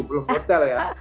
belum hotel ya